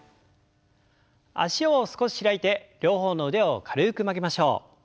脚を少し開いて両方の腕を軽く曲げましょう。